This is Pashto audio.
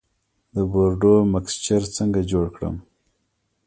د بورډو مکسچر څنګه جوړ کړم؟